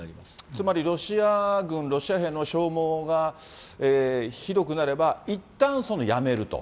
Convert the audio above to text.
つまりロシア軍、ロシア兵の消耗がひどくなれば、いったんやめると。